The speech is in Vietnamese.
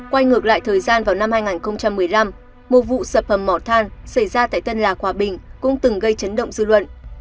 quay ngược lại thời gian vào năm hai nghìn một mươi năm một vụ sập hầm mỏ than xảy ra tại tân lạc hòa bình cũng từng gây chấn động dư luận